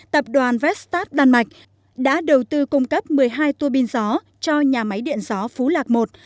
tập đoàn vestat đan mạch đã đầu tư cung cấp một mươi hai tuổi biên gió cho nhà máy điện gió phú lạc i